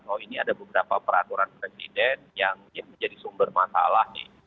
oh ini ada beberapa peraturan presiden yang menjadi sumber masalah nih